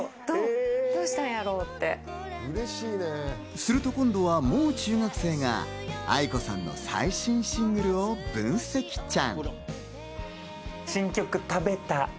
すると今度はもう中学生がａｉｋｏさんの最新シングルを分析ちゃん。